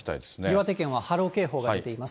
岩手県は波浪警報が出ています。